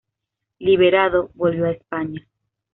Liberado, volvió a España.